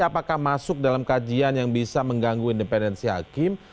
apakah masuk dalam kajian yang bisa mengganggu independensi hakim